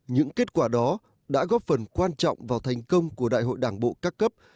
những kết quả đó đã góp phần quan trọng vào thành công của đại hội đảng bộ các cấp